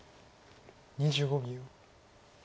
２５秒。